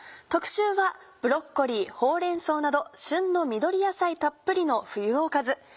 特集はブロッコリーほうれん草など旬の緑野菜たっぷりの冬おかず。